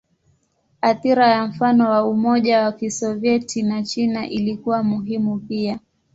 Athira ya mfano wa Umoja wa Kisovyeti na China ilikuwa muhimu pia.